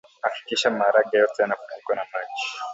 hakikisha maharage yote yanafunikwa na maji